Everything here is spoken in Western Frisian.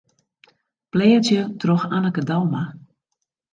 Blêdzje troch Anneke Douma.